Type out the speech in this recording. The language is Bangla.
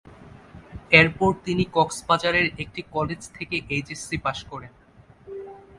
এরপর তিনি কক্সবাজারের একটি কলেজ থেকে এইচএসসি পাস করেন।